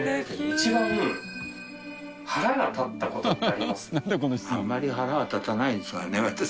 一番腹が立った事ってあります？